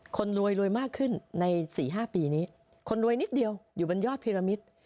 คนรวยรวยมากขึ้นใน๔๕ปีนี้คนรวยนิดเดียวอยู่บนยอดพิรมิตร